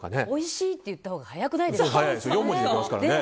おいしいって言ったほうが早くないですか。